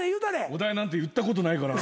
お題なんて言ったことないから。